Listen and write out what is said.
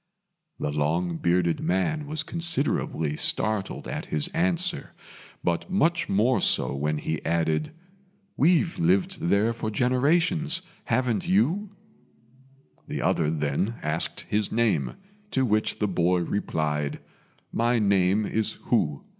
The long bearded man was considerably startled at his answer, but much more so when he added, "We've lived there for generations: haven't you?" The other then asked his name, to which the boy replied, "My name is Hu.